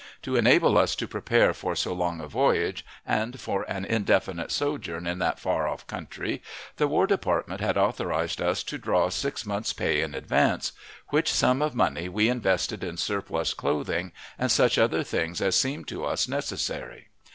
To enable us to prepare for so long a voyage and for an indefinite sojourn in that far off country, the War Department had authorized us to draw six months' pay in advance, which sum of money we invested in surplus clothing and such other things as seemed to us necessary.